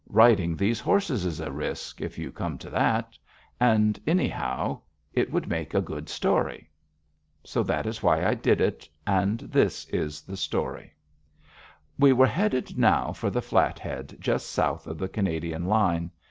Riding these horses is a risk, if you come to that. Anyhow, it would make a good story." So that is why I did it. And this is the story: We were headed now for the Flathead just south of the Canadian line.